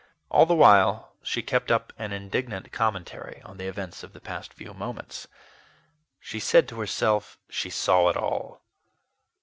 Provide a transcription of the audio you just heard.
All the while, she kept up an indignant commentary on the events of the past few moments. She said to herself she saw it all.